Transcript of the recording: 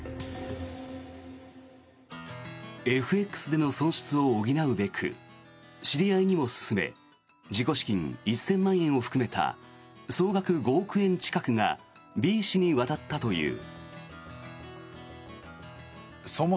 ＦＸでの損失を補うべく知り合いにも勧め自己資金１０００万円を含めた総額５億円近くがＢ氏に渡ったという。